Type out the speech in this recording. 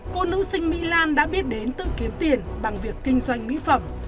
cô nữ sinh mỹ lan đã biết đến tự kiếm tiền bằng việc kinh doanh mỹ phẩm